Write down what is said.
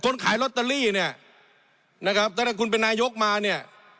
ขายลอตเตอรี่เนี่ยนะครับตั้งแต่คุณเป็นนายกมาเนี่ย